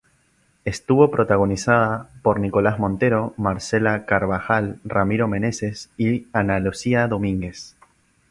Estuvo protagonizada por Nicolás Montero, Marcela Carvajal, Ramiro Meneses y Ana Lucía Domínguez.